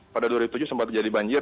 pada dua ribu tujuh sempat jadi banjir